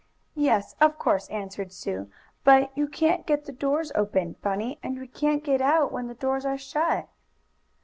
"Yes, of course," answered Sue. "But you can't get the doors open, Bunny, and we can't get out when the doors are shut."